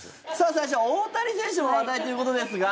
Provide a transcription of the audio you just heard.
最初は大谷選手の話題ということですが。